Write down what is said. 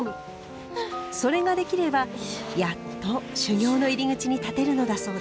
それができればやっと修行の入口に立てるのだそうです。